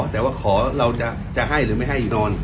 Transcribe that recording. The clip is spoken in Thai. แต่ว่าขอเราจะให้หรือไม่ให้นอน